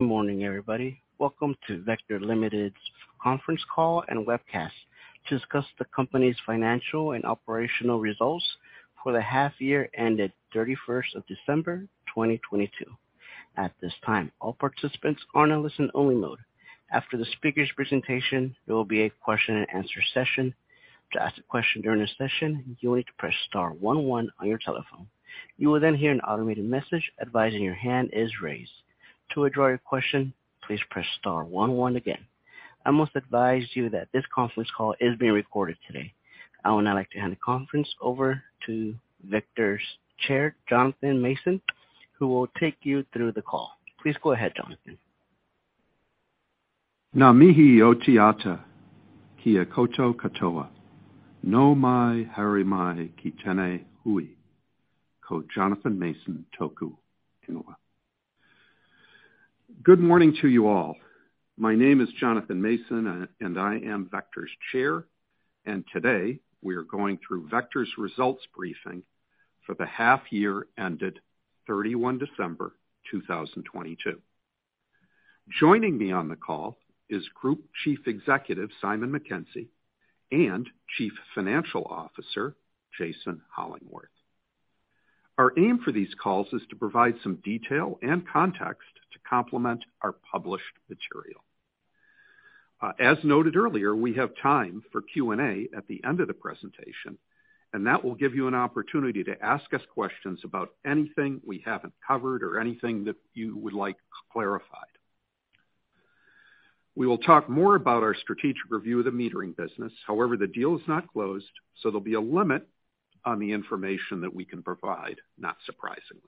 Good morning, everybody. Welcome to Vector Limited's conference call and webcast to discuss the company's financial and operational results for the half-year ended 31st of December 2022. At this time, all participants are in a listen-only mode. After the speaker's presentation, there will be a question-and-answer session. To ask a question during this session, you will need to press star one one on your telephone. You will then hear an automated message advising your hand is raised. To withdraw your question, please press star one one again. I must advise you that this conference call is being recorded today. I would now like to hand the conference over to Vector's Chair, Jonathan Mason, who will take you through the call. Please go ahead, Jonathan. Good morning to you all. My name is Jonathan Mason, and I am Vector's Chair. Today, we are going through Vector's results briefing for the half-year ended 31 December 2022. Joining me on the call is Group Chief Executive, Simon Mackenzie, and Chief Financial Officer, Jason Hollingworth. Our aim for these calls is to provide some detail and context to complement our published material. As noted earlier, we have time for Q&A at the end of the presentation. That will give you an opportunity to ask us questions about anything we haven't covered or anything that you would like clarified. We will talk more about our strategic review of the metering business. The deal is not closed, so there'll be a limit on the information that we can provide, not surprisingly.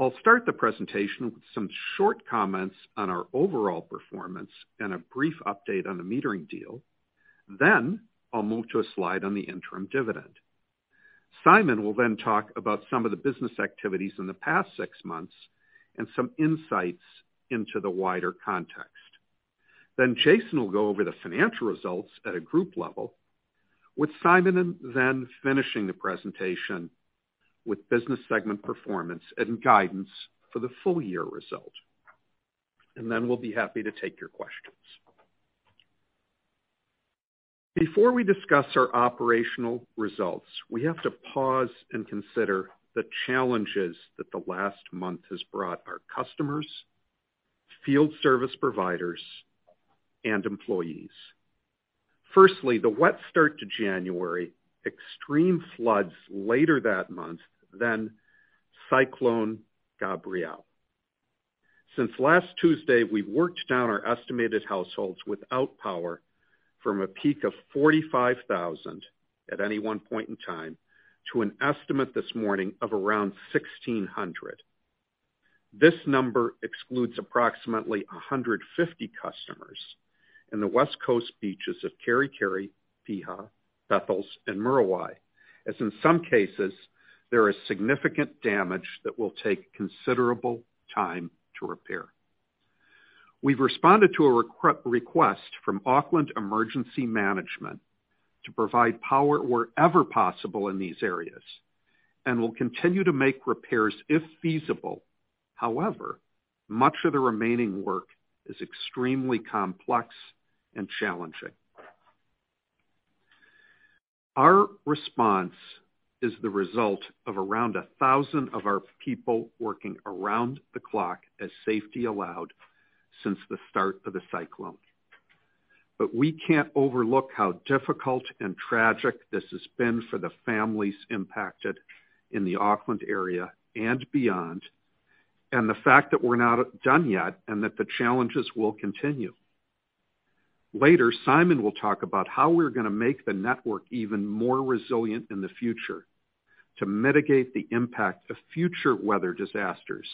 I'll start the presentation with some short comments on our overall performance and a brief update on the metering deal. I'll move to a slide on the interim dividend. Simon will then talk about some of the business activities in the past six months and some insights into the wider context. Jason will go over the financial results at a group level, with Simon then finishing the presentation with business segment performance and guidance for the full-year result. We'll be happy to take your questions. Before we discuss our operational results, we have to pause and consider the challenges that the last month has brought our customers, field service providers, and employees. Firstly, the wet start to January, extreme floods later that month, then Cyclone Gabrielle. Since last Tuesday, we've worked down our estimated households without power from a peak of 45,000 at any one point in time to an estimate this morning of around 1,600. This number excludes approximately 150 customers in the West Coast beaches of Kerikeri, Piha, Bethells, and Muriwai, as in some cases, there is significant damage that will take considerable time to repair. We've responded to a request from Auckland Emergency Management to provide power wherever possible in these areas, and we'll continue to make repairs if feasible. Much of the remaining work is extremely complex and challenging. Our response is the result of around 1,000 of our people working around the clock as safety allowed since the start of the cyclone. We can't overlook how difficult and tragic this has been for the families impacted in the Auckland area and beyond, and the fact that we're not done yet and that the challenges will continue. Later, Simon will talk about how we're gonna make the network even more resilient in the future to mitigate the impact of future weather disasters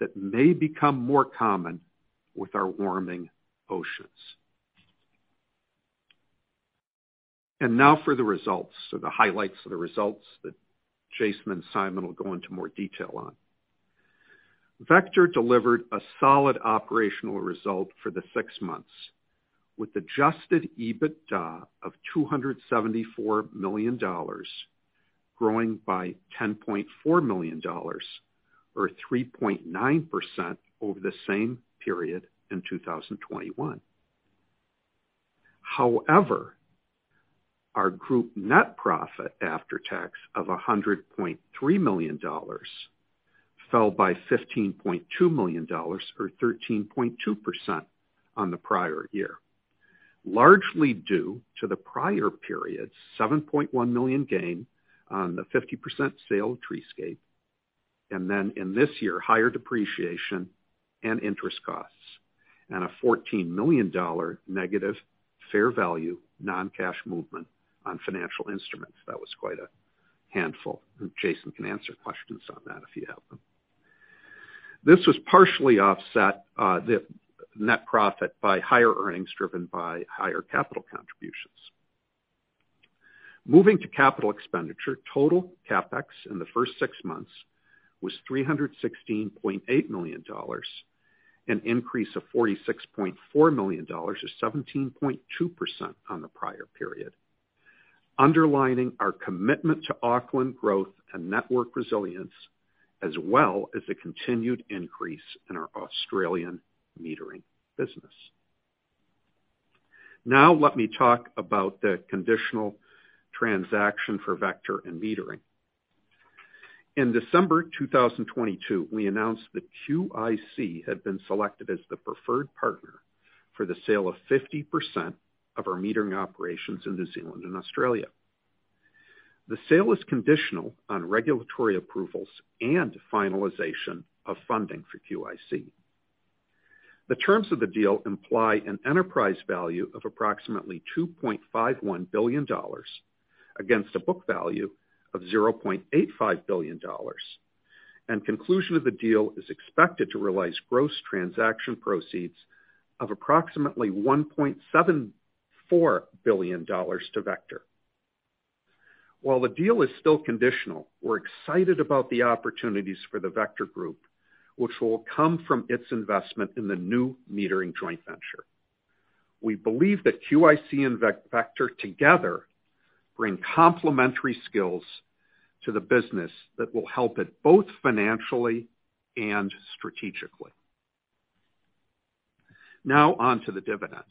that may become more common with our warming oceans. Now for the results or the highlights of the results that Jason and Simon will go into more detail on. Vector delivered a solid operational result for the six months, with adjusted EBITDA of 274 million dollars, growing by 10.4 million dollars or 3.9% over the same period in 2021. However, our group net profit after tax of 100.3 million dollars fell by 15.2 million dollars or 13.2% on the prior year, largely due to the prior period's 7.1 million gain on the 50% sale of Treescape, and then in this year, higher depreciation and interest costs and a 14 million dollar negative fair value non-cash movement on financial instruments. That was quite a handful, and Jason can answer questions on that if you have them. This was partially offset, the net profit by higher earnings driven by higher capital contributions. Moving to capital expenditure, total CapEx in the first six months was 316.8 million dollars, an increase of 46.4 million dollars or 17.2% on the prior period. Underlining our commitment to Auckland growth and network resilience, as well as the continued increase in our Australian metering business. Let me talk about the conditional transaction for Vector and metering. In December 2022, we announced that QIC had been selected as the preferred partner for the sale of 50% of our metering operations in New Zealand and Australia. The sale is conditional on regulatory approvals and finalization of funding for QIC. The terms of the deal imply an enterprise value of approximately 2.51 billion dollars against a book value of 0.85 billion dollars. Conclusion of the deal is expected to realize gross transaction proceeds of approximately 1.74 billion dollars to Vector. While the deal is still conditional, we're excited about the opportunities for the Vector Group, which will come from its investment in the new metering joint venture. We believe that QIC and Vector together bring complementary skills to the business that will help it both financially and strategically. Now on to the dividend.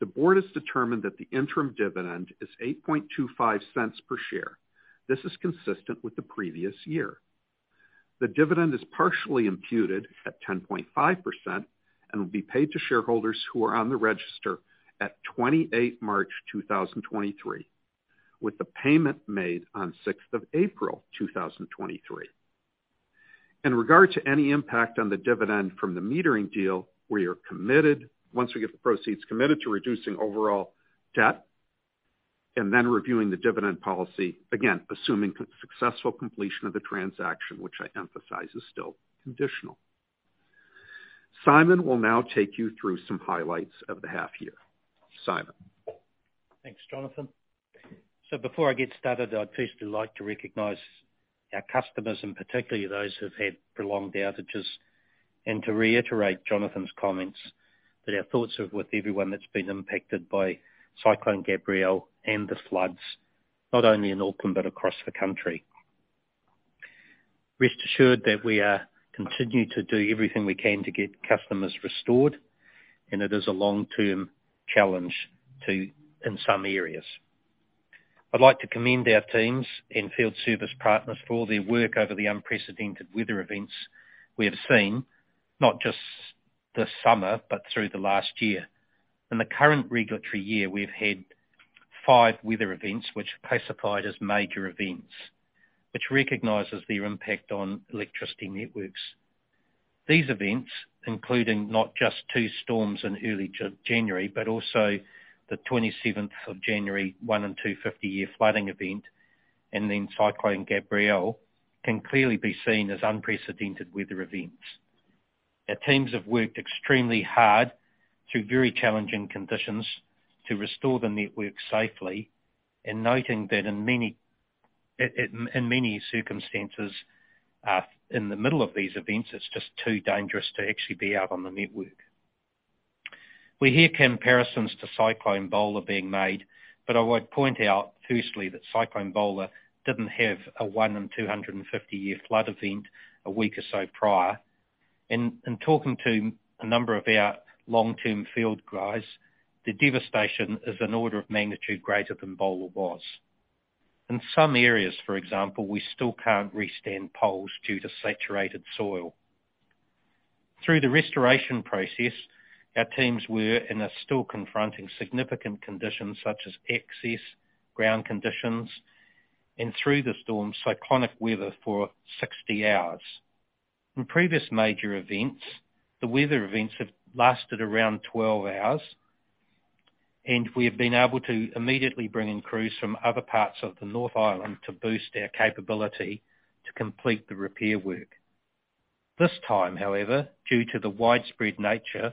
The board has determined that the interim dividend is 0.0825 per share. This is consistent with the previous year. The dividend is partially imputed at 10.5% and will be paid to shareholders who are on the register at March 28, 2023, with the payment made on April 6th, 2023. In regard to any impact on the dividend from the metering deal, we are once we get the proceeds, committed to reducing overall debt and then reviewing the dividend policy, again assuming successful completion of the transaction, which I emphasize is still conditional. Simon will now take you through some highlights of the half year. Simon. Thanks, Jonathan. Before I get started, I'd firstly like to recognize our customers, and particularly those who've had prolonged outages, and to reiterate Jonathan's comments that our thoughts are with everyone that's been impacted by Cyclone Gabrielle and the floods, not only in Auckland but across the country. Rest assured that we are continuing to do everything we can to get customers restored, and it is a long-term challenge to in some areas. I'd like to commend our teams and field service partners for all their work over the unprecedented weather events we have seen, not just this summer, but through the last year. In the current regulatory year, we've had five weather events which are classified as major events, which recognizes their impact on electricity networks. These events, including not just two storms in early January, but also the 27th of January, one in 250 year flooding event, and then Cyclone Gabrielle, can clearly be seen as unprecedented weather events. Our teams have worked extremely hard through very challenging conditions to restore the network safely and noting that in many, in many circumstances, in the middle of these events, it's just too dangerous to actually be out on the network. We hear comparisons to Cyclone Bola being made, but I would point out firstly that Cyclone Bola didn't have a one in 250 year flood event a week or so prior. Talking to a number of our long-term field guys, the devastation is an order of magnitude greater than Bola was. In some areas, for example, we still can't re-stand poles due to saturated soil. Through the restoration process, our teams were and are still confronting significant conditions such as excess ground conditions and through the storm, cyclonic weather for 60 hours. In previous major events, the weather events have lasted around 12 hours, and we have been able to immediately bring in crews from other parts of the North Island to boost our capability to complete the repair work. This time, however, due to the widespread nature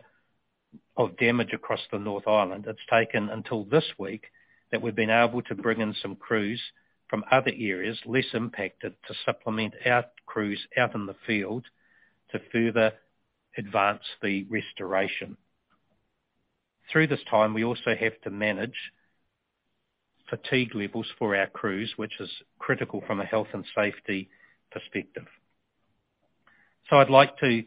of damage across the North Island, it's taken until this week that we've been able to bring in some crews from other areas less impacted to supplement our crews out in the field to further advance the restoration. Through this time, we also have to manage fatigue levels for our crews, which is critical from a health and safety perspective. I'd like to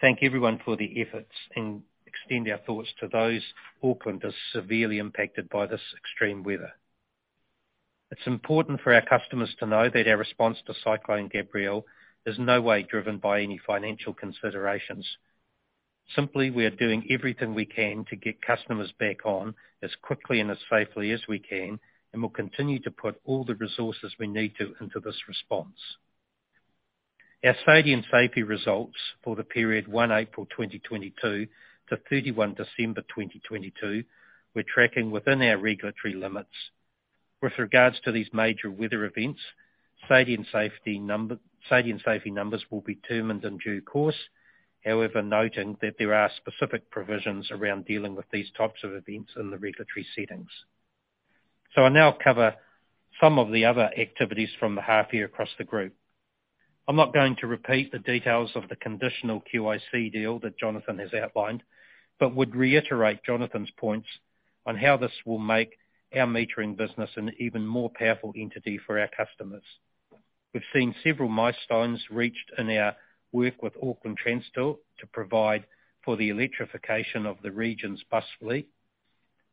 thank everyone for their efforts and extend our thoughts to those Aucklanders severely impacted by this extreme weather. It's important for our customers to know that our response to Cyclone Gabrielle is no way driven by any financial considerations. Simply, we are doing everything we can to get customers back on as quickly and as safely as we can, and we'll continue to put all the resources we need to into this response. Our safety and safety results for the period April 1, 2022 to December 31, 2022 were tracking within our regulatory limits. With regards to these major weather events, safety and safety numbers will be determined in due course. However, noting that there are specific provisions around dealing with these types of events in the regulatory settings. I'll now cover some of the other activities from the half year across the group. I'm not going to repeat the details of the conditional QIC deal that Jonathan has outlined, but would reiterate Jonathan's points on how this will make our metering business an even more powerful entity for our customers. We've seen several milestones reached in our work with Auckland Transport to provide for the electrification of the region's bus fleet.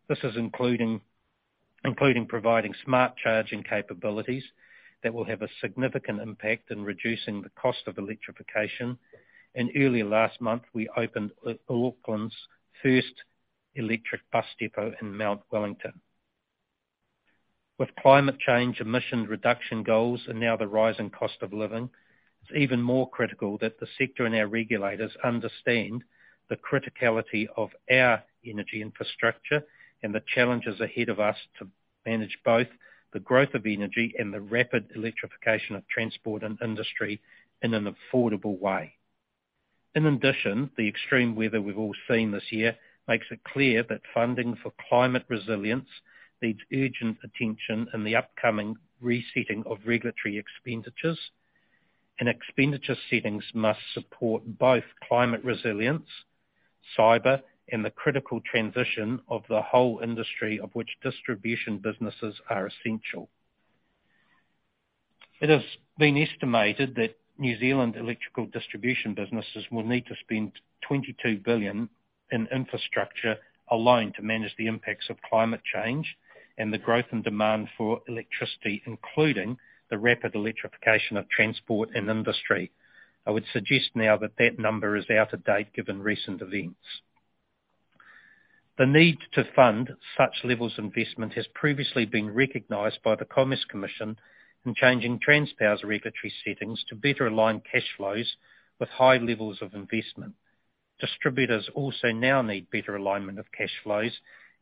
This is including providing smart charging capabilities that will have a significant impact in reducing the cost of electrification. Early last month, we opened Auckland's first electric bus depot in Mount Wellington. With climate change, emission reduction goals, and now the rising cost of living, it's even more critical that the sector and our regulators understand the criticality of our energy infrastructure and the challenges ahead of us to manage both the growth of energy and the rapid electrification of transport and industry in an affordable way. In addition, the extreme weather we've all seen this year makes it clear that funding for climate resilience needs urgent attention in the upcoming resetting of regulatory expenditures. Expenditure settings must support both climate resilience, cyber, and the critical transition of the whole industry, of which distribution businesses are essential. It has been estimated that New Zealand electrical distribution businesses will need to spend 22 billion in infrastructure alone to manage the impacts of climate change and the growth and demand for electricity, including the rapid electrification of transport and industry. I would suggest now that that number is out of date, given recent events. The need to fund such levels of investment has previously been recognized by the Commerce Commission in changing Transpower's regulatory settings to better align cash flows with high levels of investment. Distributors also now need better alignment of cash flows,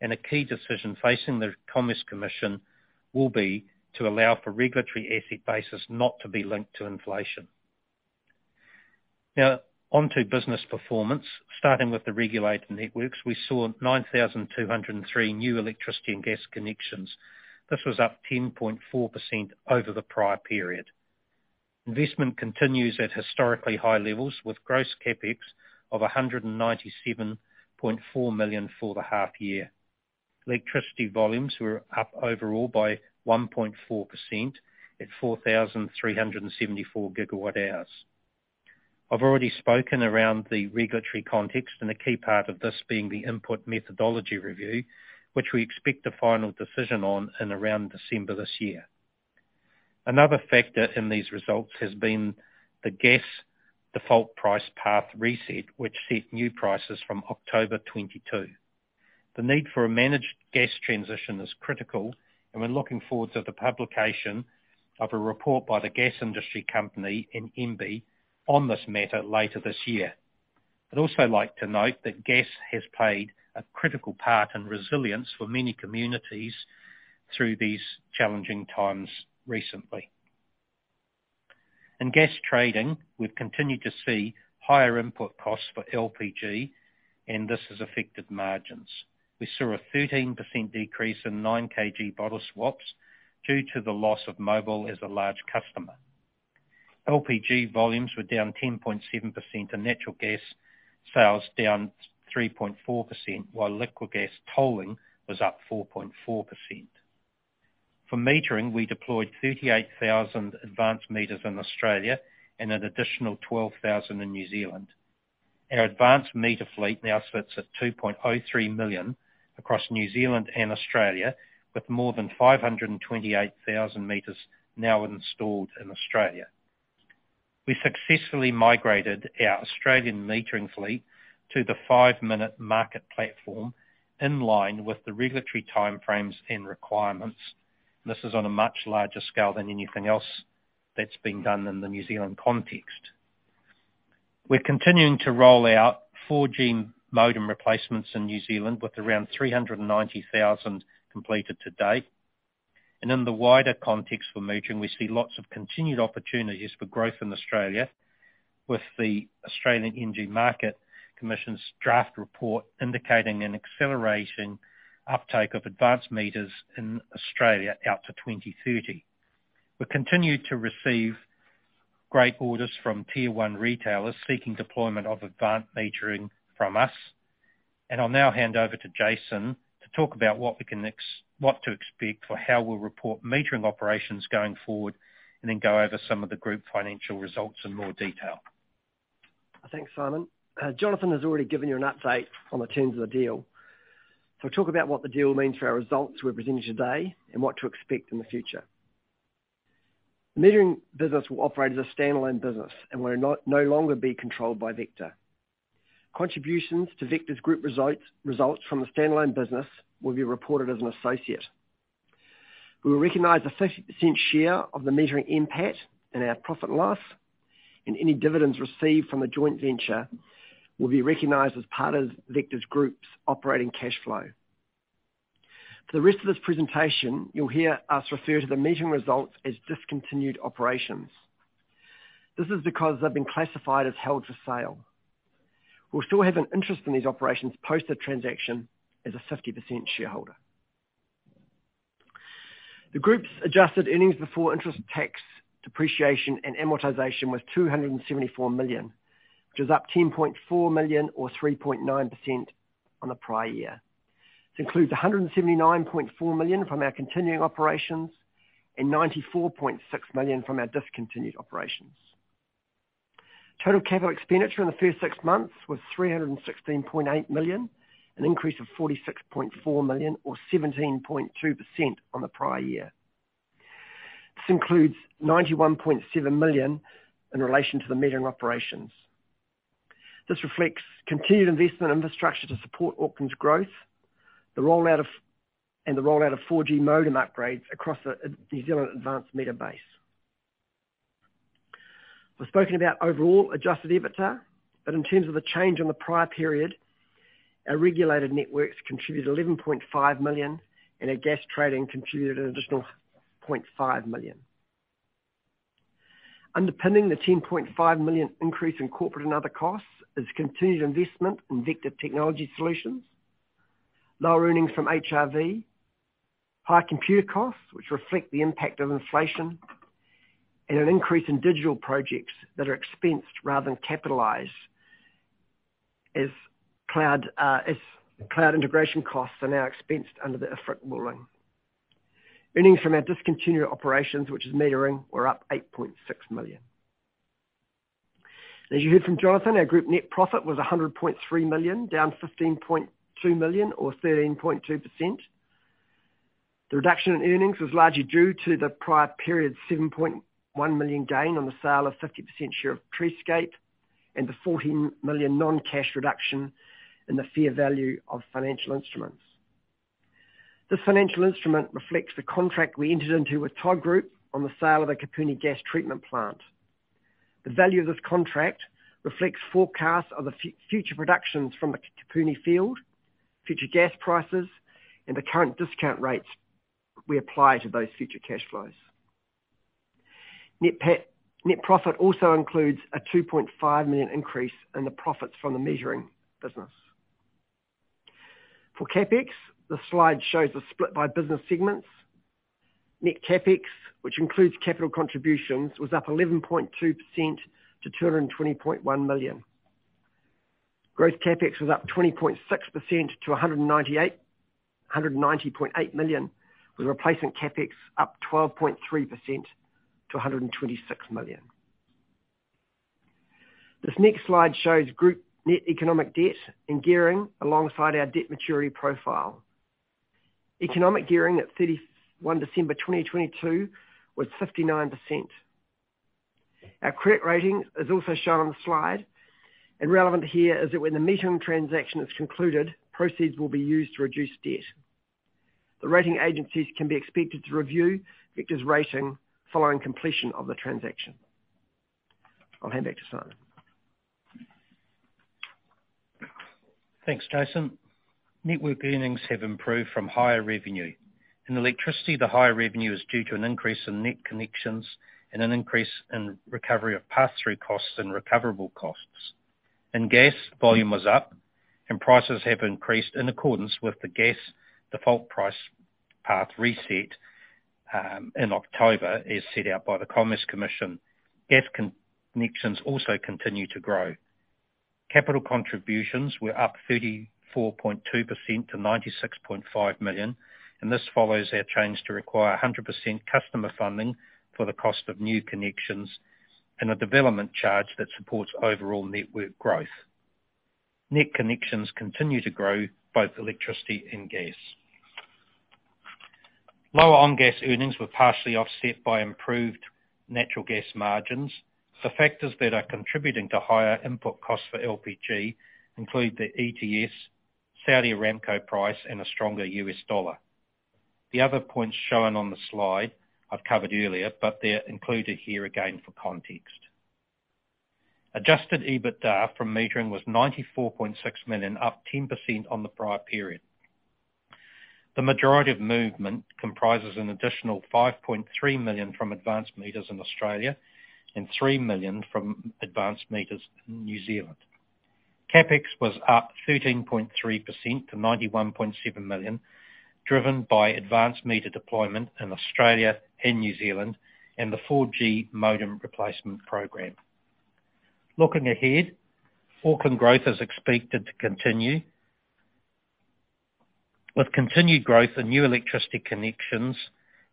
a key decision facing the Commerce Commission will be to allow for regulatory asset bases not to be linked to inflation. On to business performance. Starting with the regulated networks, we saw 9,203 new electricity and gas connections. This was up 10.4% over the prior period. Investment continues at historically high levels, with gross CapEx of 197.4 million for the half year. Electricity volumes were up overall by 1.4% at 4,374 GW hours. I've already spoken around the regulatory context, and a key part of this being the input methodology review, which we expect a final decision on in around December 2023. Another factor in these results has been the gas default price path reset, which set new prices from October 2022. The need for a managed gas transition is critical, and we're looking forward to the publication of a report by the Gas Industry Company and MBIE on this matter later this year. I'd also like to note that gas has played a critical part in resilience for many communities through these challenging times recently. In gas trading, we've continued to see higher input costs for LPG, and this has affected margins. We saw a 13% decrease in 9 kg bottle swaps due to the loss of Mobil as a large customer. LPG volumes were down 10.7%, and natural gas sales down 3.4%, while liquid gas tolling was up 4.4%. For metering, we deployed 38,000 advanced meters in Australia and an additional 12,000 in New Zealand. Our advanced meter fleet now sits at 2.03 million across New Zealand and Australia, with more than 528,000 meters now installed in Australia. We successfully migrated our Australian metering fleet to the five-minute market platform in line with the regulatory time frames and requirements. This is on a much larger scale than anything else that's been done in the New Zealand context. We're continuing to roll out 4G modem replacements in New Zealand with around 390,000 completed to date. In the wider context for metering, we see lots of continued opportunities for growth in Australia with the Australian Energy Market Commission's draft report indicating an accelerating uptake of advanced meters in Australia out to 2030. We continue to receive great orders from tier one retailers seeking deployment of advanced metering from us. I'll now hand over to Jason to talk about what to expect for how we'll report metering operations going forward, and then go over some of the group financial results in more detail. Thanks, Simon. Jonathan has already given you an update on the terms of the deal. I'll talk about what the deal means for our results we're presenting today and what to expect in the future. The metering business will operate as a standalone business and will no longer be controlled by Vector. Contributions to Vector Group results from the standalone business will be reported as an associate. We will recognize a 50% share of the metering NPAT in our profit loss, and any dividends received from the joint venture will be recognized as part of Vector Group's operating cash flow. For the rest of this presentation, you'll hear us refer to the metering results as discontinued operations. This is because they've been classified as held for sale. We'll still have an interest in these operations post the transaction as a 50% shareholder. The group's adjusted EBITDA was 274 million, which is up 10.4 million or 3.9% on the prior year. This includes 179.4 million from our continuing operations and 94.6 million from our discontinued operations. Total CapEx in the first six months was 316.8 million, an increase of 46.4 million or 17.2% on the prior year. This includes 91.7 million in relation to the metering operations. This reflects continued investment infrastructure to support Auckland's growth, and the rollout of 4G modem upgrades across the New Zealand Advanced Meter base. We've spoken about overall adjusted EBITDA. In terms of the change on the prior period, our regulated networks contributed 11.5 million, and our gas trading contributed an additional 0.5 million. Underpinning the 10.5 million increase in corporate and other costs is continued investment in Vector Technology Solutions, lower earnings from HRV, higher computer costs which reflect the impact of inflation, and an increase in digital projects that are expensed rather than capitalized as cloud integration costs are now expensed under the IFRIC ruling. Earnings from our discontinued operations, which is metering, were up 8.6 million. As you heard from Jonathan, our group net profit was 100.3 million, down 15.2 million or 13.2%. The reduction in earnings was largely due to the prior period's 7.1 million gain on the sale of 50% share of Treescape and the 14 million non-cash reduction in the fair value of financial instruments. This financial instrument reflects the contract we entered into with Todd Group on the sale of the Kapuni gas treatment plant. The value of this contract reflects forecasts of the future productions from the Kapuni field, future gas prices, and the current discount rates we apply to those future cash flows. Net profit also includes a 2.5 million increase in the profits from the metering business. For CapEx, the slide shows a split by business segments. Net CapEx, which includes capital contributions, was up 11.2% to 220.1 million. Growth CapEx was up 20.6% to 190.8 million, with replacement CapEx up 12.3% to 126 million. This next slide shows group net economic debt and gearing alongside our debt maturity profile. Economic gearing at 31 December 2022 was 59%. Our credit rating is also shown on the slide. Relevant here is that when the metering transaction is concluded, proceeds will be used to reduce debt. The rating agencies can be expected to review Vector's rating following completion of the transaction. I'll hand back to Simon. Thanks, Jason. Network earnings have improved from higher revenue. In electricity, the higher revenue is due to an increase in net connections and an increase in recovery of pass-through costs and recoverable costs. In gas, volume was up and prices have increased in accordance with the gas default price path reset in October, as set out by the Commerce Commission. Gas connections also continue to grow. Capital contributions were up 34.2% to 96.5 million, and this follows our change to require 100% customer funding for the cost of new connections and a development charge that supports overall network growth. Net connections continue to grow, both electricity and gas. Lower on-gas earnings were partially offset by improved natural gas margins. The factors that are contributing to higher input costs for LPG include the ETS, Saudi Aramco price, and a stronger US dollar. The other points shown on the slide I've covered earlier. They're included here again for context. Adjusted EBITDA from metering was 94.6 million, up 10% on the prior period. The majority of movement comprises an additional 5.3 million from advanced meters in Australia and 3 million from advanced meters in New Zealand. CapEx was up 13.3% to 91.7 million, driven by advanced meter deployment in Australia and New Zealand and the 4G modem replacement program. Looking ahead, Auckland growth is expected to continue, with continued growth in new electricity connections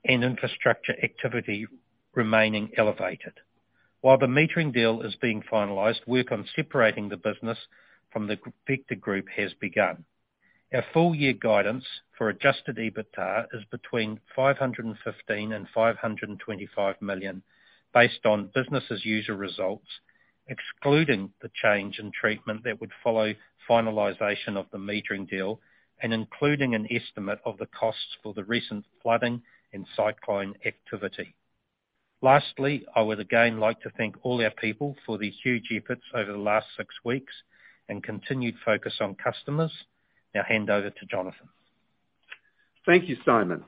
and infrastructure activity remaining elevated. While the metering deal is being finalized, work on separating the business from the Vector Group has begun. Our full year guidance for adjusted EBITDA is between 515 million and 525 million, based on business-as-usual results, excluding the change in treatment that would follow finalization of the metering deal and including an estimate of the costs for the recent flooding and cyclone activity. Lastly, I would again like to thank all our people for their huge efforts over the last six weeks and continued focus on customers. Hand over to Jonathan. Thank you, Simon.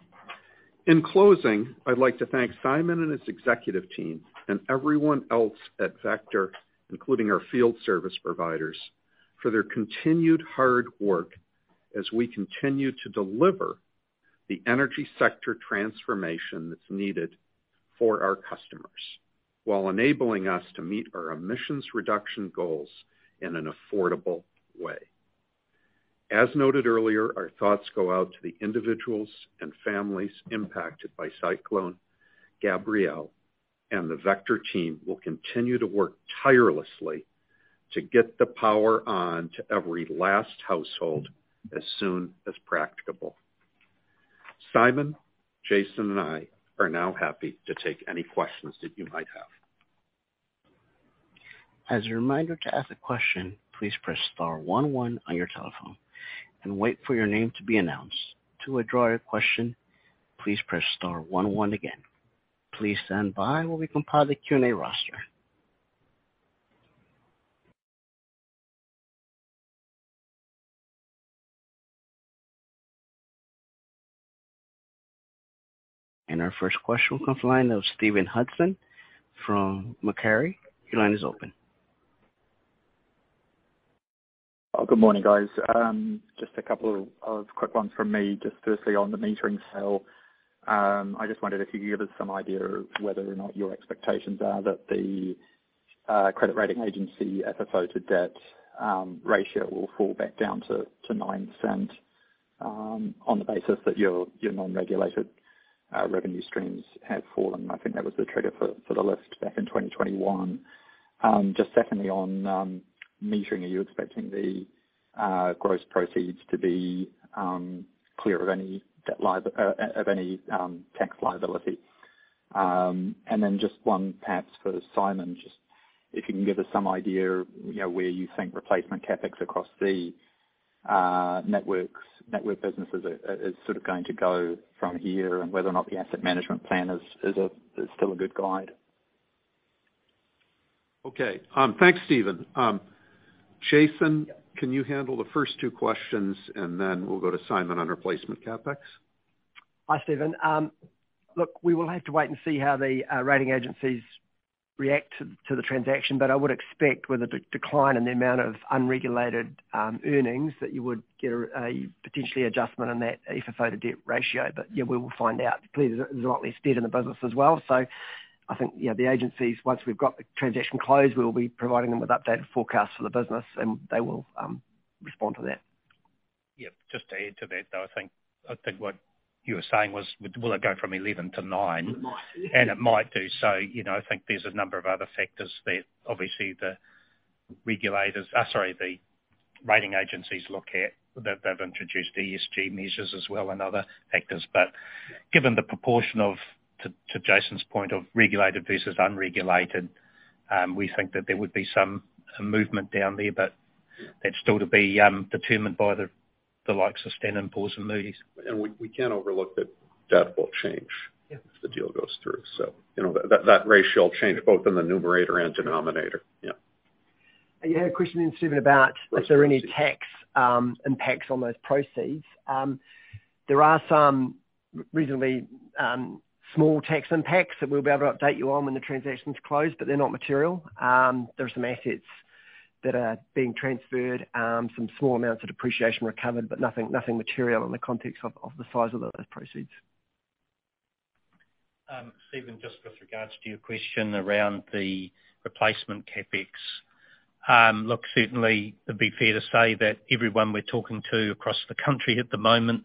In closing, I'd like to thank Simon and his executive team and everyone else at Vector, including our field service providers. For their continued hard work as we continue to deliver the energy sector transformation that's needed for our customers, while enabling us to meet our emissions reduction goals in an affordable way. As noted earlier, our thoughts go out to the individuals and families impacted by Cyclone Gabrielle. The Vector team will continue to work tirelessly to get the power on to every last household as soon as practicable. Simon, Jason, and I are now happy to take any questions that you might have. As a reminder to ask a question, please press star one one on your telephone and wait for your name to be announced. To withdraw your question, please press star one one again. Please stand by while we compile the Q&A roster. Our first question will come from the line of Stephen Hudson from Macquarie. Your line is open. Good morning, guys. Just a couple of quick ones from me. Just firstly on the metering sale, I just wondered if you could give us some idea of whether or not your expectations are that the credit rating agency FFO to debt ratio will fall back down to 9% on the basis that your non-regulated revenue streams have fallen. I think that was the trigger for the list back in 2021. Just secondly on metering, are you expecting the gross proceeds to be clear of any debt of any tax liability? Then just one perhaps for Simon, just if you can give us some idea, you know, where you think replacement CapEx across the network businesses, is sort of going to go from here and whether or not the asset management plan is a, is still a good guide? Okay. Thanks, Stephen. Jason, can you handle the first two questions, and then we'll go to Simon on replacement CapEx. Hi, Stephen. Look, we will have to wait and see how the rating agencies react to the transaction. I would expect with a decline in the amount of unregulated earnings that you would get a potentially adjustment in that FFO to debt ratio. Yeah, we will find out. Please, there's a lot less debt in the business as well. I think, you know, the agencies, once we've got the transaction closed, we will be providing them with updated forecasts for the business and they will respond to that. Yeah. Just to add to that, though, I think, I think what you were saying was, will it go from 11 to nine? It might. It might do so. You know, I think there's a number of other factors that obviously the regulators, sorry, the rating agencies look at. They've introduced ESG measures as well and other factors. Given the proportion of, to Jason's point of regulated versus unregulated, we think that there would be some movement down there, but that's still to be determined by the likes of Standard & Poor's and Moody's. We can't overlook that debt will. Yeah. if the deal goes through. You know, that ratio will change both in the numerator and denominator. Yeah. You had a question then, Steven, about is there any tax impacts on those proceeds. There are some reasonably small tax impacts that we'll be able to update you on when the transaction's closed, but they're not material. There are some assets that are being transferred, some small amounts of depreciation recovered, but nothing material in the context of the size of those proceeds. Stephen, just with regards to your question around the replacement CapEx, look, certainly it'd be fair to say that everyone we're talking to across the country at the moment,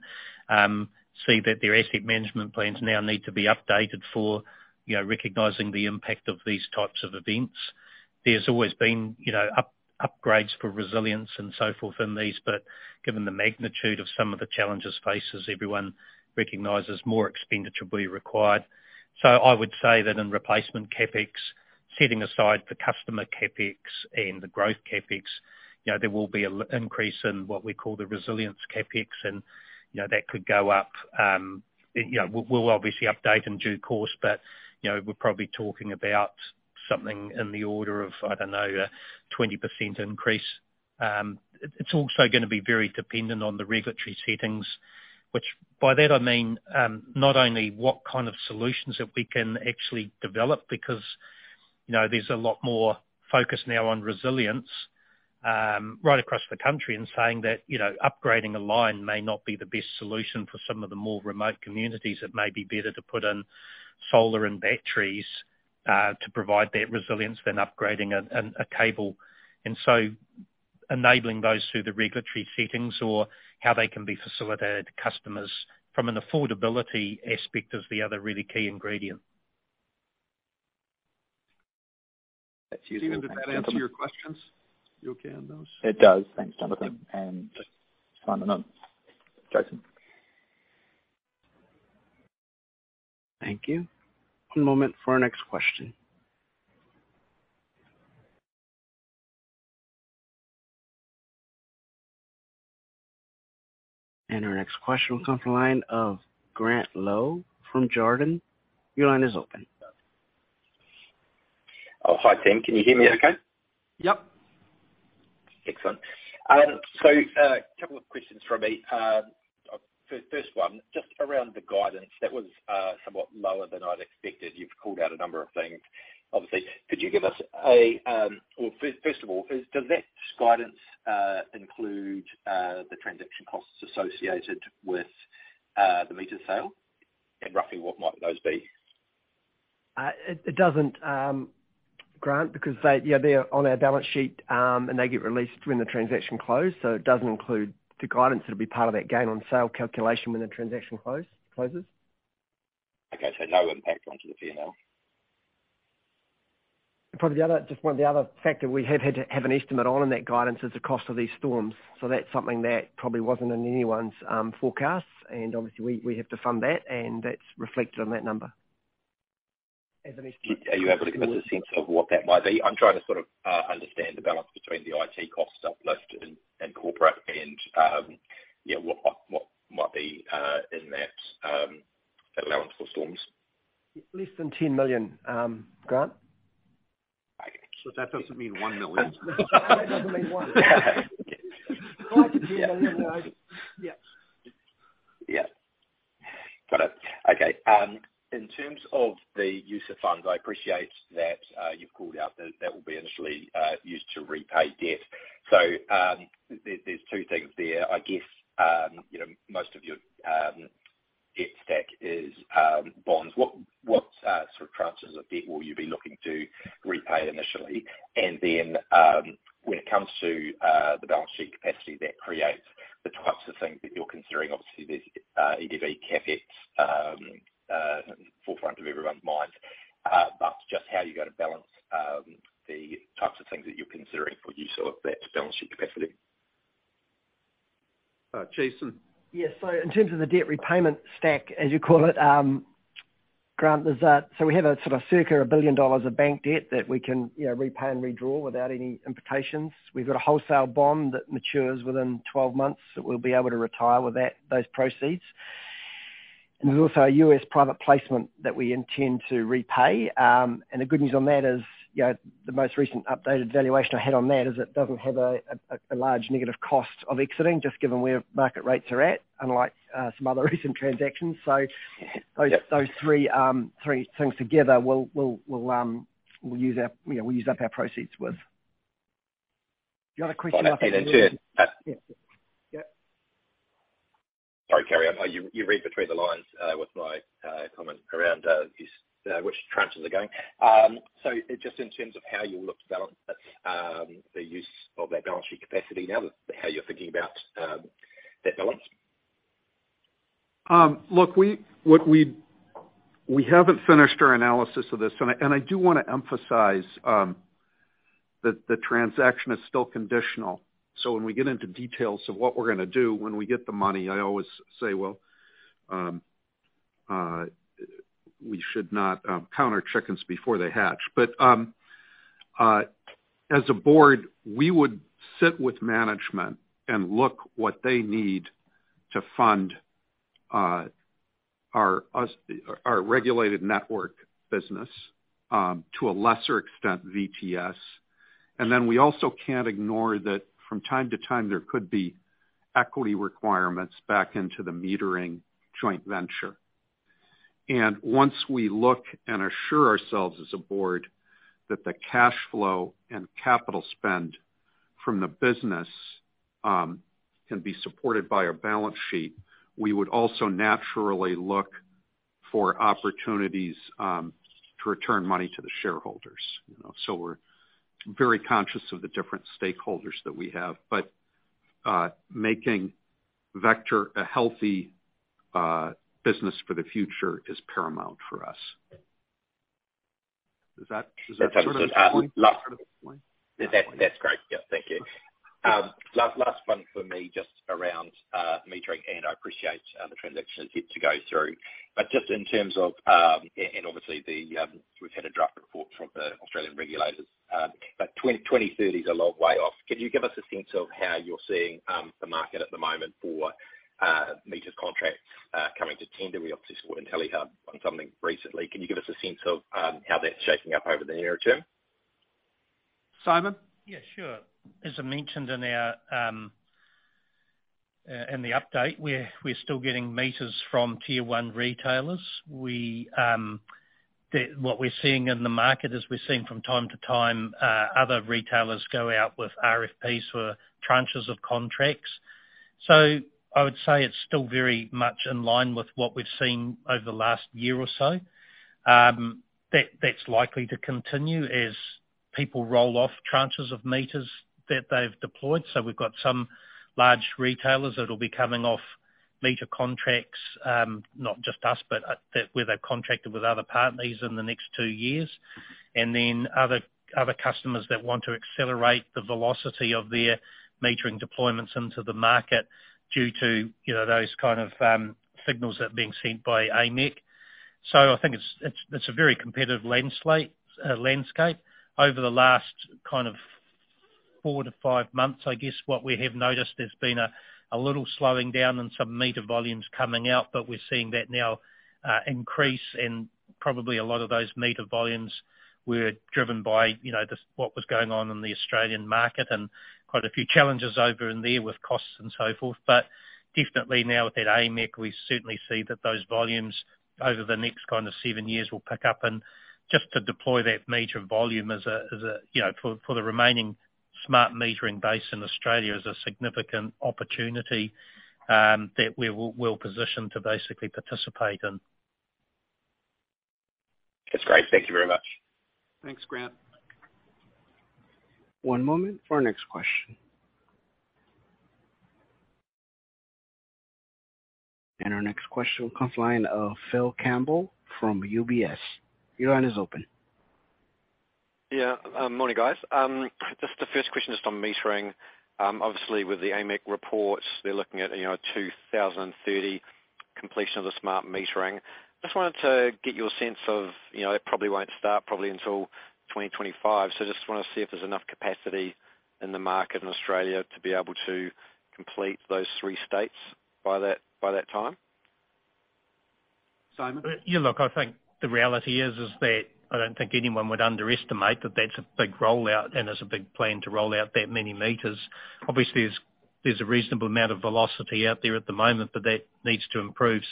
see that their asset management plans now need to be updated for, you know, recognizing the impact of these types of events. There's always been, you know, upgrades for resilience and so forth in these, but given the magnitude of some of the challenges faces, everyone recognizes more expenditure will be required. I would say that in replacement CapEx, setting aside the customer CapEx and the growth CapEx, you know, there will be an increase in what we call the resilience CapEx. You know, that could go up, you know, we'll obviously update in due course, but, you know, we're probably talking about something in the order of, I don't know, a 20% increase. It's also gonna be very dependent on the regulatory settings, which by that I mean, not only what kind of solutions that we can actually develop because, you know, there's a lot more focus now on resilience, right across the country and saying that, you know, upgrading a line may not be the best solution for some of the more remote communities. It may be better to put in solar and batteries to provide that resilience than upgrading a cable. So enabling those through the regulatory settings or how they can be facilitated to customers from an affordability aspect is the other really key ingredient. Stephen, did that answer your questions? You okay on those? It does. Thanks, Jonathan. Okay. Simon and Jason. Thank you. One moment for our next question. Our next question will come from the line of Grant Lowe from Jarden. Your line is open. Oh, hi, team. Can you hear me okay? Yep. Excellent. Couple of questions from me. First one, just around the guidance that was somewhat lower than I'd expected. You've called out a number of things, obviously. Well, first of all, is, does that guidance include the transaction costs associated with the meter sale? Roughly, what might those be? It doesn't, Grant, because they're on our balance sheet, and they get released when the transaction closes. It doesn't include the guidance. It'll be part of that gain on sale calculation when the transaction closes. Okay. No impact onto the P&L. Probably just one of the other factor we have had to have an estimate on, in that guidance, is the cost of these storms. That's something that probably wasn't in anyone's forecasts. Obviously we have to fund that, and that's reflected on that number. Are you able to give us a sense of what that might be? I'm trying to sort of understand the balance between the IT costs uplift and corporate and, yeah, what might be in that allowance for storms. Less than 10 million, Grant. Okay. That doesn't mean 1 million. That doesn't mean one. 5 million-10 million, yeah. Yeah. Got it. Okay. In terms of the use of funds, I appreciate that you've called out that that will be initially used to repay debt. There, there's two things there. I guess, you know, most of your debt stack is bonds. What, what sort of tranches of debt will you be looking to repay initially? Then, when it comes to the balance sheet capacity that creates the types of things that you're considering, obviously there's EDB, CapEx, forefront of everyone's mind, but just how you're gonna balance the types of things that you're considering for use of that balance sheet capacity? Jason. Yes. In terms of the debt repayment stack, as you call it, Grant, we have a sort of circa 1 billion dollars of bank debt that we can, you know, repay and redraw without any implications. We've got a wholesale bond that matures within 12 months that we'll be able to retire with that, those proceeds. There's also a US private placement that we intend to repay. The good news on that is, you know, the most recent updated valuation I had on that is it doesn't have a large negative cost of exiting, just given where market rates are at, unlike some other recent transactions. Yeah. Those three things together, we'll, you know, use up our proceeds with. The other question- Second. Yeah. Yeah. Sorry, Kerry. You read between the lines with my comment around use which tranches are going. Just in terms of how you'll look to balance the use of that balance sheet capacity now, how you're thinking about that balance? Look, we haven't finished our analysis of this, and I do wanna emphasize that the transaction is still conditional. When we get into details of what we're gonna do when we get the money, I always say, "Well, we should not count our chickens before they hatch." As a board, we would sit with management and look what they need to fund our regulated network business, to a lesser extent, VTS. Then we also can't ignore that from time to time, there could be equity requirements back into the metering joint venture. Once we look and assure ourselves as a board that the cash flow and capital spend from the business can be supported by our balance sheet, we would also naturally look for opportunities to return money to the shareholders, you know. We're very conscious of the different stakeholders that we have, but making Vector a healthy business for the future is paramount for us. Does that? That's understood. Answer the point? Last- Sort of explain. That's great. Yeah. Thank you. Last one for me, just around metering, and I appreciate the transaction is yet to go through. Just in terms of, and obviously the, we've had a draft report from the Australian regulators, but 2030 is a long way off. Can you give us a sense of how you're seeing the market at the moment for meters contracts coming to tender? We obviously saw Intellihub on something recently. Can you give us a sense of how that's shaping up over the near term? Simon? Yeah, sure. As I mentioned in our in the update, we're still getting meters from Tier 1 retailers. What we're seeing in the market is we're seeing from time to time other retailers go out with RFPs for tranches of contracts. I would say it's still very much in line with what we've seen over the last year or so. That's likely to continue as people roll off tranches of meters that they've deployed. We've got some large retailers that'll be coming off meter contracts, not just us, but where they've contracted with other partners in the next two years. Other customers that want to accelerate the velocity of their metering deployments into the market due to, you know, those kind of signals that are being sent by AEMC. I think it's a very competitive landscape over the last four-five months. I guess what we have noticed, there's been a little slowing down in some meter volumes coming out, but we're seeing that now increase and probably a lot of those meter volumes were driven by, you know, just what was going on in the Australian market and quite a few challenges over in there with costs and so forth. But definitely now with that AEMC, we certainly see that those volumes over the next seven years will pick up. And just to deploy that meter volume as a, you know, for the remaining smart metering base in Australia is a significant opportunity that we're well positioned to basically participate in. That's great. Thank you very much. Thanks, Grant. One moment for our next question. Our next question comes line of Phil Campbell from UBS. Your line is open. Morning, guys. Just the first question is from metering. Obviously with the AEMC reports, they're looking at, you know, 2030 completion of the smart metering. Just wanted to get your sense of, you know, it probably won't start probably until 2025. Just want to see if there's enough capacity in the market in Australia to be able to complete those three states by that, by that time. Simon? Yeah. Look, I think the reality is that I don't think anyone would underestimate that that's a big rollout, and it's a big plan to roll out that many meters. Obviously, there's a reasonable amount of velocity out there at the moment, but that needs to improve.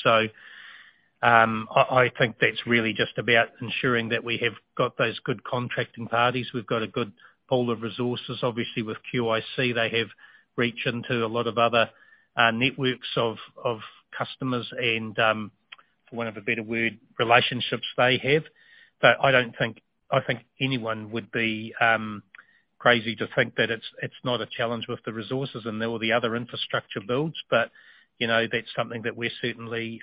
I think that's really just about ensuring that we have got those good contracting parties. We've got a good pool of resources, obviously with QIC, they have reach into a lot of other networks of customers and, for want of a better word, relationships they have. I think anyone would be crazy to think that it's not a challenge with the resources and all the other infrastructure builds. You know, that's something that we're certainly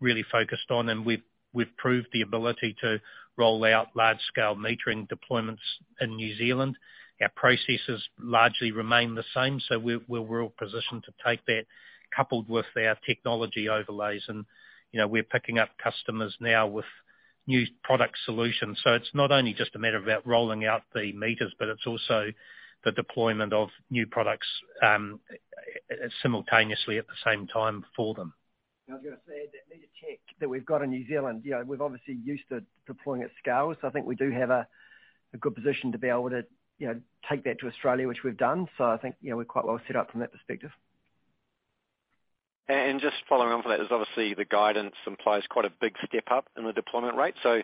really focused on, and we've proved the ability to roll out large scale metering deployments in New Zealand. Our processes largely remain the same, so we're well-positioned to take that coupled with our technology overlays. You know, we're picking up customers now with new product solutions. It's not only just a matter of about rolling out the meters, but it's also the deployment of new products simultaneously at the same time for them. I was gonna say that meter tech that we've got in New Zealand, you know, we've obviously used to deploying at scale. I think we do have a good position to be able to, you know, take that to Australia, which we've done. I think, you know, we're quite well set up from that perspective. Just following on from that, there's obviously the guidance implies quite a big step up in the deployment rate. I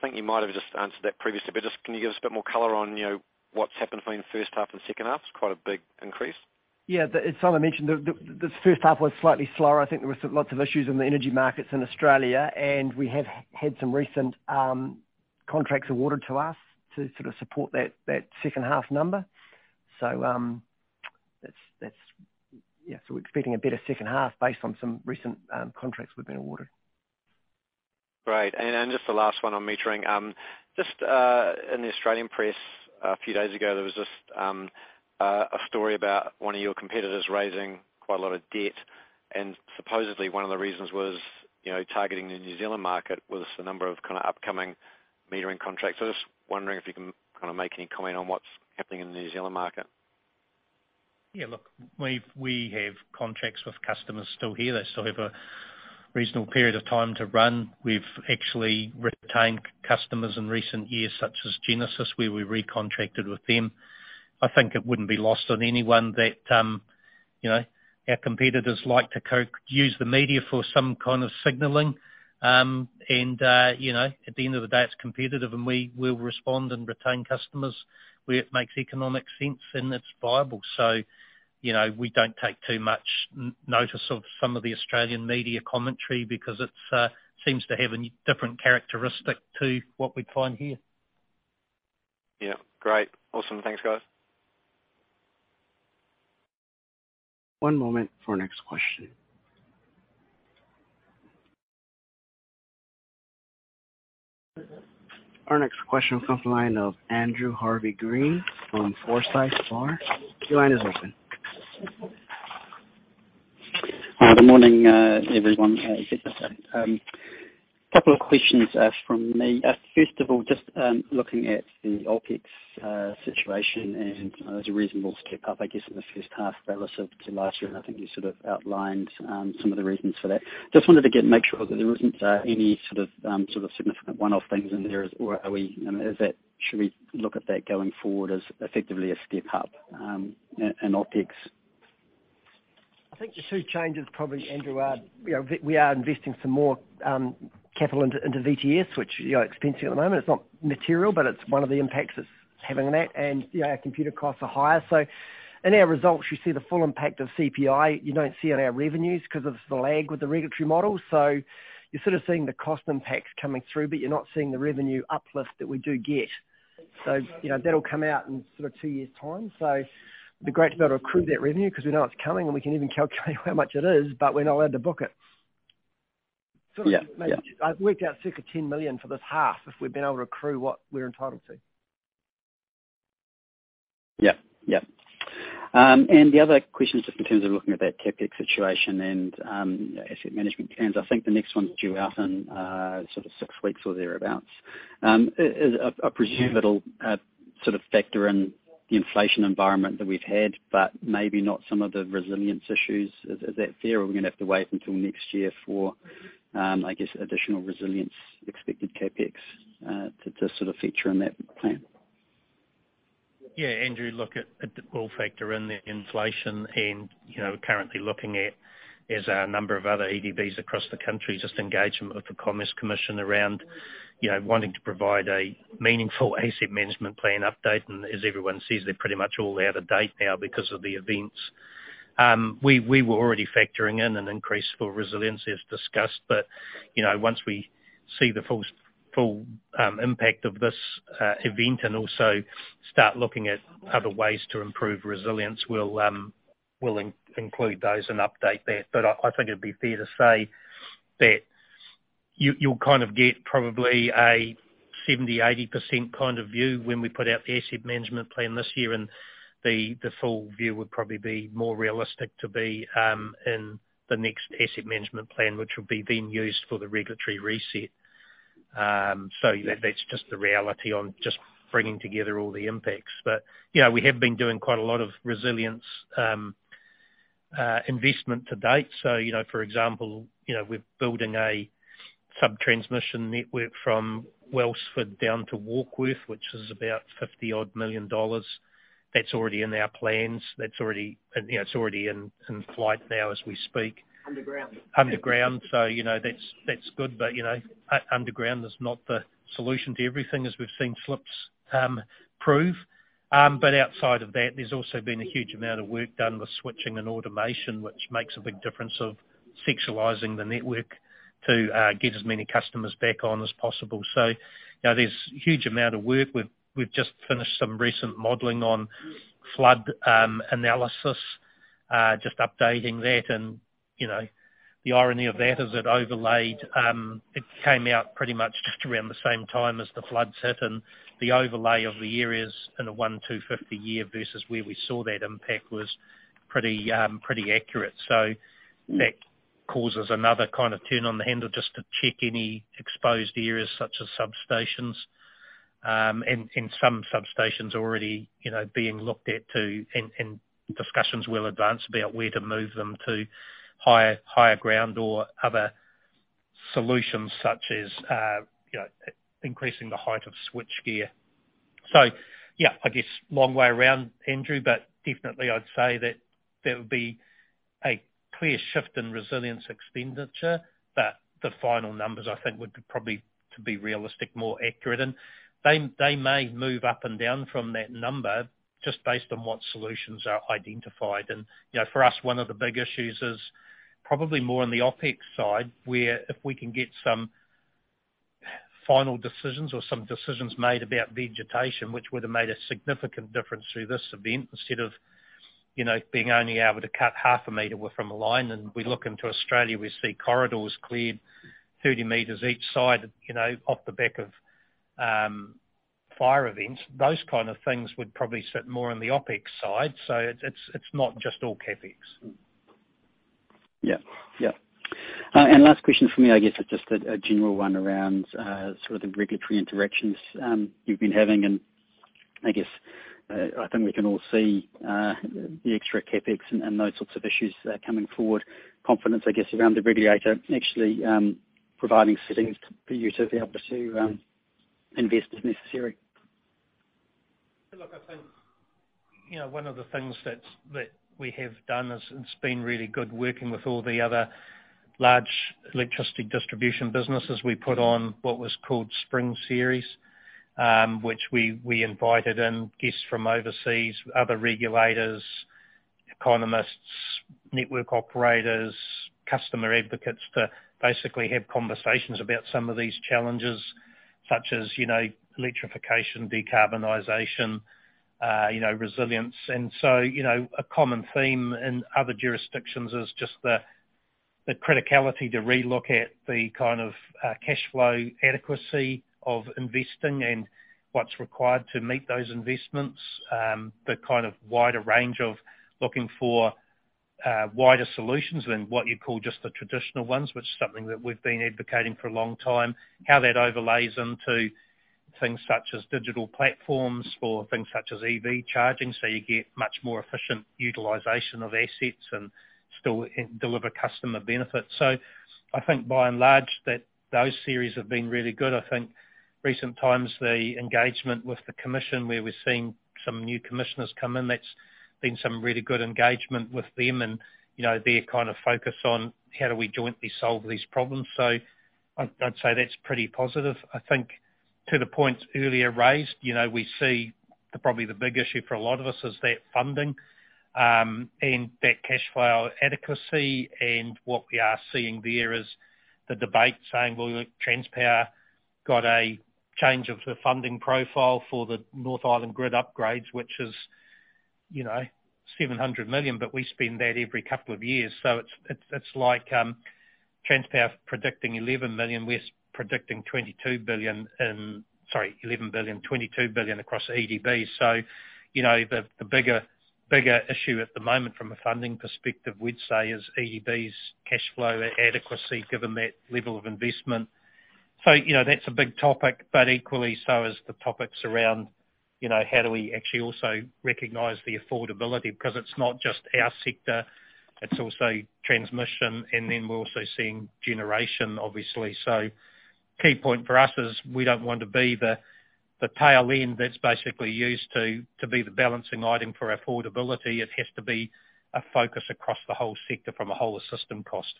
think you might have just answered that previously, but just can you give us a bit more color on, you know, what's happened between the first half and second half? It's quite a big increase. Yeah. As Simon mentioned, the first half was slightly slower. I think there was lots of issues in the energy markets in Australia. We have had some recent contracts awarded to us to sort of support that second half number. That's, yeah, so we're expecting a better second half based on some recent contracts we've been awarded. Great. Just the last one on metering. Just in the Australian press a few days ago, there was this a story about one of your competitors raising quite a lot of debt, and supposedly one of the reasons was, you know, targeting the New Zealand market with a number of kinda upcoming metering contracts. Just wondering if you can kinda make any comment on what's happening in the New Zealand market? Yeah. Look, we've, we have contracts with customers still here. They still have a reasonable period of time to run. We've actually retained customers in recent years, such as Genesis, where we recontracted with them. I think it wouldn't be lost on anyone that, you know, our competitors like to use the media for some kind of signaling. You know, at the end of the day, it's competitive, and we will respond and retain customers where it makes economic sense and it's viable. You know, we don't take too much notice of some of the Australian media commentary because it seems to have a different characteristic to what we'd find here. Yeah. Great. Awesome. Thanks, guys. One moment for our next question. Our next question comes the line of Andrew Harvey-Green from Forsyth Barr. Your line is open. Hi, good morning, everyone. Yeah. A couple of questions from me. First of all, just looking at the OpEx situation. There's a reasonable step up, I guess, in the first half relative to last year. I think you sort of outlined some of the reasons for that. Just wanted to get and make sure that there isn't any sort of significant one-off things in there, or are we, I mean, is that, should we look at that going forward as effectively a step up in OpEx? I think the two changes, probably, Andrew, are, you know, we are investing some more capital into VTS, which, you know, expensive at the moment. It's not material, but it's one of the impacts it's having on that. You know, our computer costs are higher. In our results, you see the full impact of CPI. You don't see it in our revenues 'cause of the lag with the regulatory model. You're sort of seeing the cost impact coming through, but you're not seeing the revenue uplift that we do get. You know, that'll come out in sort of two years' time. It'd be great to be able to accrue that revenue 'cause we know it's coming and we can even calculate how much it is, but we're not allowed to book it. Yeah. Yeah. Sort of maybe I've worked out circa 10 million for this half, if we'd been able to accrue what we're entitled to. Yep. Yep. The other question is just in terms of looking at that CapEx situation and asset management plans. I think the next one's due out in sort of six weeks or thereabouts. I presume it'll sort of factor in the inflation environment that we've had, but maybe not some of the resilience issues. Is that fair, or we're gonna have to wait until next year for I guess, additional resilience expected CapEx to sort of feature in that plan? Yeah, Andrew, look, it will factor in the inflation and, you know, currently looking at is a number of other EDBs across the country, just engagement with the Commerce Commission around, you know, wanting to provide a meaningful asset management plan update. As everyone sees, they're pretty much all out of date now because of the events. We were already factoring in an increase for resilience as discussed, but, you know, once we see the full impact of this event and also start looking at other ways to improve resilience, we'll include those and update that. I think it'd be fair to say that you'll kind of get probably a 70%-80% kind of view when we put out the asset management plan this year, and the full view would probably be more realistic to be in the next asset management plan, which will be then used for the regulatory reset. That's just the reality on just bringing together all the impacts. You know, we have been doing quite a lot of resilience investment to date. You know, for example, you know, we're building a sub-transmission network from Wellsford down to Warkworth, which is about 50 odd million. That's already in our plans. That's already, you know, it's already in flight now as we speak. Underground. Underground. You know, that's good, but, you know, underground is not the solution to everything, as we've seen slips prove. Outside of that, there's also been a huge amount of work done with switching and automation, which makes a big difference of virtualizing the network to get as many customers back on as possible. You know, there's huge amount of work. We've just finished some recent modeling on flood analysis, just updating that. You know, the irony of that is it overlaid, it came out pretty much just around the same time as the flood set and the overlay of the areas in a one to 50 year versus where we saw that impact was pretty accurate. That causes another kind of turn on the handle just to check any exposed areas such as substations, and some substations already, you know, being looked at, and discussions well advanced about where to move them to higher ground or other solutions such as, you know, increasing the height of switchgear. Yeah, I guess long way around, Andrew, but definitely I'd say that there would be a clear shift in resilience expenditure, but the final numbers, I think, would probably to be realistic, more accurate. They may move up and down from that number just based on what solutions are identified. You know, for us, one of the big issues is probably more on the OpEx side, where if we can get some final decisions or some decisions made about vegetation, which would have made a significant difference through this event, instead of, you know, being only able to cut half a meter from a line. We look into Australia, we see corridors cleared 30 meters each side, you know, off the back of fire events. Those kind of things would probably sit more on the OpEx side. It, it's not just all CapEx. Yeah. Yeah. Last question for me, I guess, is just a general one around sort of the regulatory interactions you've been having. I guess, I think we can all see the extra CapEx and those sorts of issues coming forward. Confidence, I guess, around the regulator actually providing settings for you to be able to invest as necessary? Look, I think, you know, one of the things that's, that we have done is it's been really good working with all the other large electricity distribution businesses. We put on what was called Spring Series, which we invited in guests from overseas, other regulators, economists, network operators, customer advocates, to basically have conversations about some of these challenges, such as, you know, electrification, decarbonization, you know, resilience. You know, a common theme in other jurisdictions is just the criticality to relook at the kind of cashflow adequacy of investing and what's required to meet those investments, the kind of wider range of looking for wider solutions than what you'd call just the traditional ones, which is something that we've been advocating for a long time, how that overlays into things such as digital platforms for things such as EV charging, so you get much more efficient utilization of assets and still deliver customer benefits. I think by and large that those series have been really good. I think recent times, the engagement with the Commission, where we're seeing some new Commissioners come in, that's been some really good engagement with them and, you know, their kind of focus on how do we jointly solve these problems. I'd say that's pretty positive. I think to the points earlier raised, you know, we see probably the big issue for a lot of us is that funding, and that cash flow adequacy. What we are seeing there is the debate saying, well, Transpower got a change of the funding profile for the North Island grid upgrades, which is, you know, 700 million. We spend that every couple of years. It's like Transpower's predicting 11 million, we're predicting 22 billion. Sorry, 11 billion, 22 billion across EDB. You know, the bigger issue at the moment from a funding perspective, we'd say, is EDB's cash flow adequacy given that level of investment. You know, that's a big topic, Equally so is the topics around, you know, how do we actually also recognize the affordability? It's not just our sector, it's also transmission, and then we're also seeing generation obviously. Key point for us is we don't want to be the tail end that's basically used to be the balancing item for affordability. It has to be a focus across the whole sector from a whole system cost.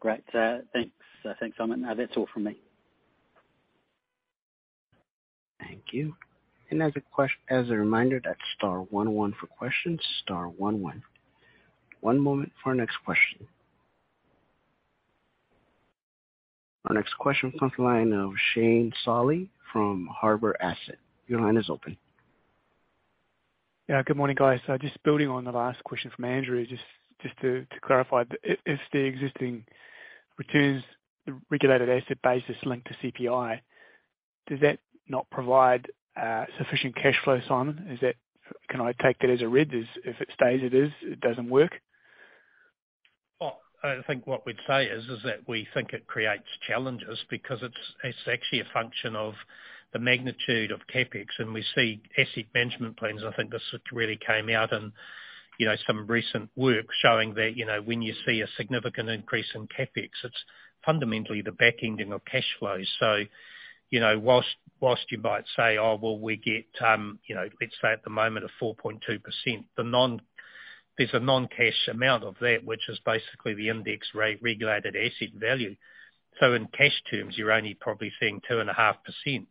Great. Thanks. Thanks, Simon. That's all from me. Thank you. As a reminder, that's star one one for questions, star one one. One moment for our next question. Our next question comes from the line of Shane Solly from Harbour Asset. Your line is open. Good morning, guys. Just building on the last question from Andrew, just to clarify, if the existing returns regulated asset base is linked to CPI, does that not provide sufficient cash flow, Simon? Can I take that as a read as if it stays as it is, it doesn't work? Well, I think what we'd say is that we think it creates challenges because it's actually a function of the magnitude of CapEx. We see asset management plans, I think this really came out in, you know, some recent work showing that, you know, when you see a significant increase in CapEx, it's fundamentally the back ending of cash flows. You know, whilst you might say, "Oh, well, we get, you know, let's say at the moment, a 4.2%," there's a non-cash amount of that which is basically the index rate regulated asset value. In cash terms, you're only probably seeing 2.5%.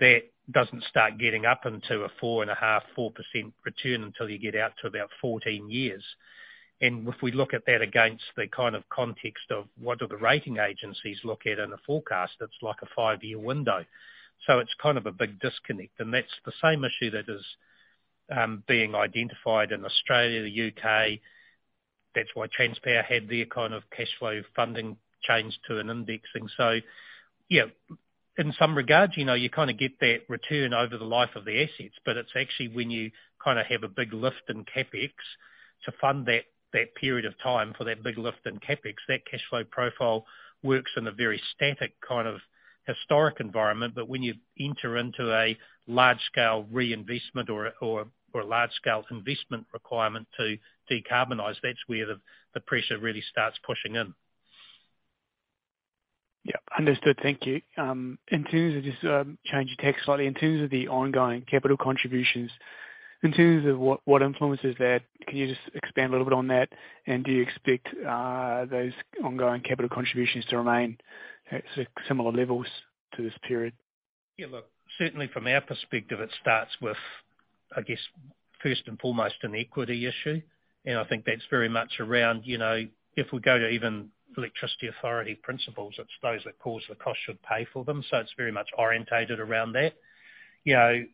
That doesn't start getting up into a 4.5%, 4% return until you get out to about 14 years. If we look at that against the kind of context of what do the rating agencies look at in a forecast, it's like a five-year window. It's kind of a big disconnect. That's the same issue that is being identified in Australia, the U.K. That's why Transpower had their kind of cash flow funding changed to an indexing. Yeah, in some regards, you know, you kinda get that return over the life of the assets, but it's actually when you kinda have a big lift in CapEx to fund that period of time for that big lift in CapEx. That cash flow profile works in a very static kind of historic environment, but when you enter into a large scale reinvestment or, or a large scale investment requirement to decarbonize, that's where the pressure really starts pushing in. Yeah, understood. Thank you. In terms of just, change of text slightly, in terms of the ongoing capital contributions, in terms of what influences that, can you just expand a little bit on that? Do you expect, those ongoing capital contributions to remain at similar levels to this period? Yeah, look, certainly from our perspective, it starts with, I guess, first and foremost, an equity issue. I think that's very much around, you know, if we go to even Electricity Authority principles, it's those that cause the cost should pay for them, so it's very much orientated around that. You know,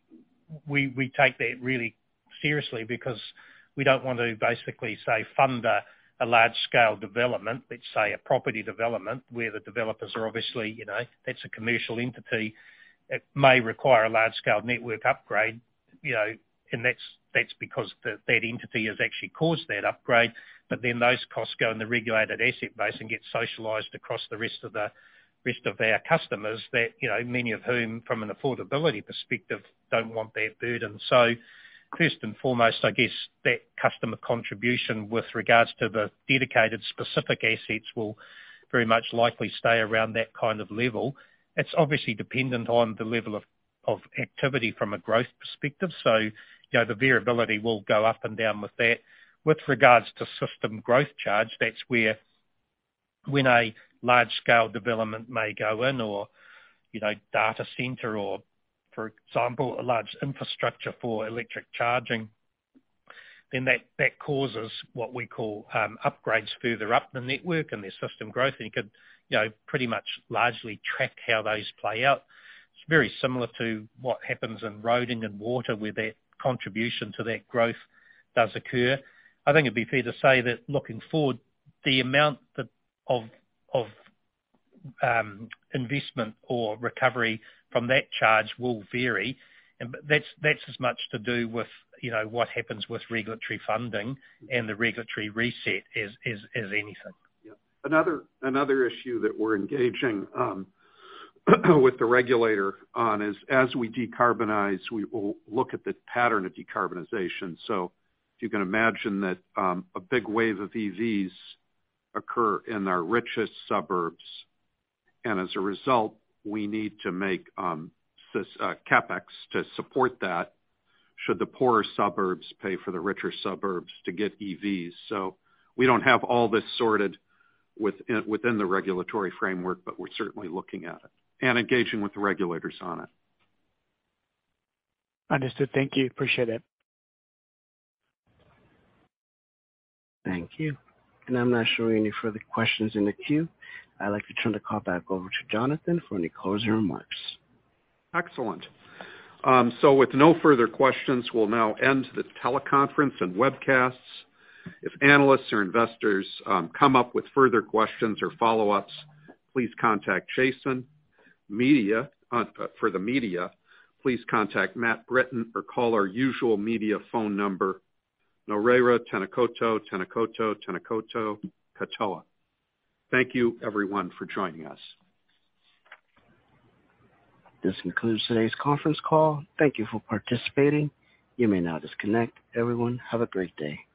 we take that really seriously because we don't want to basically say fund a large scale development, let's say a property development, where the developers are obviously, you know, that's a commercial entity. It may require a large scale network upgrade, you know, and that's because that entity has actually caused that upgrade. Those costs go in the regulated asset base and get socialized across the rest of our customers that, you know, many of whom from an affordability perspective, don't want that burden. First and foremost, I guess that customer contribution with regards to the dedicated specific assets will very much likely stay around that kind of level. It's obviously dependent on the level of activity from a growth perspective. You know, the variability will go up and down with that. With regards to system growth charge, that's where when a large scale development may go in or, you know, data center or, for example, a large infrastructure for electric charging, then that causes what we call upgrades further up the network and there's system growth. You could, you know, pretty much largely track how those play out. It's very similar to what happens in roading and water, where that contribution to that growth does occur. I think it'd be fair to say that looking forward, the amount that of, investment or recovery from that charge will vary. That's as much to do with, you know, what happens with regulatory funding and the regulatory reset as anything. Yeah. Another issue that we're engaging with the regulator on is, as we decarbonize, we will look at the pattern of decarbonization. If you can imagine that a big wave of EVs occur in our richest suburbs, and as a result, we need to make CapEx to support that, should the poorer suburbs pay for the richer suburbs to get EVs? We don't have all this sorted within the regulatory framework, but we're certainly looking at it and engaging with the regulators on it. Understood. Thank you. Appreciate it. Thank you. I'm not showing any further questions in the queue. I'd like to turn the call back over to Jonathan for any closing remarks. Excellent. With no further questions, we'll now end this teleconference and webcasts. If analysts or investors, come up with further questions or follow-ups, please contact Jason. Media, for the media, please contact Matthew Britton or call our usual media phone number, 0508 863 342. Thank you everyone for joining us. This concludes today's conference call. Thank you for participating. You may now disconnect. Everyone, have a great day.